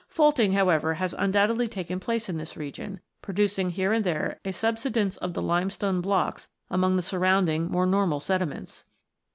Faulting, however, has undoubtedly taken place in this region, producing here and there a subsidence of the lime stone blocks among the surrounding more normal sediments.